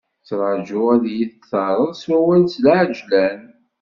Ttrajuɣ ad iyi-d-terreḍ s wawal s lɛejlan.